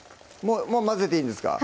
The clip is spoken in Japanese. もう混ぜていいんですか？